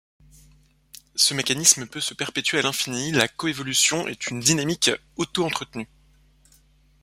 Ce mécanisme peut se perpétuer à l’infini, la coévolution est une dynamique autoentretenue.